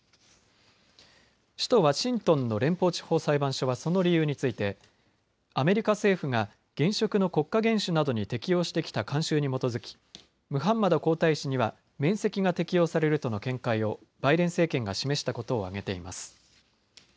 首都ワシントンの連邦地方裁判所はその理由についてアメリカ政府が現職の国家元首などに適用してきた慣習に基づきムハンマド皇太子には免責が適用されるとの見解をバイデン政権が示したことを挙げています。